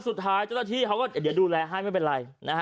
สุดท้ายเจ้าหน้าที่เขาก็เดี๋ยวดูแลให้ไม่เป็นไรนะฮะ